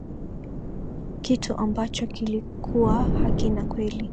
kitu ambacho kilikuwa hakina kweli